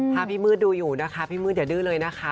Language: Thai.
ถ้าพี่มืดดูอยู่นะคะพี่มืดอย่าดื้อเลยนะคะ